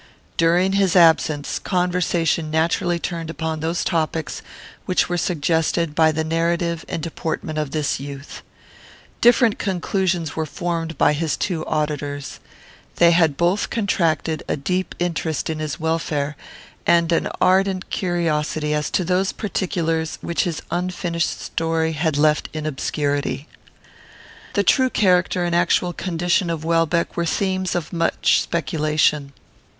During his absence, conversation naturally turned upon those topics which were suggested by the narrative and deportment of this youth. Different conclusions were formed by his two auditors. They had both contracted a deep interest in his welfare, and an ardent curiosity as to those particulars which his unfinished story had left in obscurity. The true character and actual condition of Welbeck were themes of much speculation.